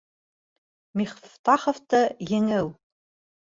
Мифтаховты еңеү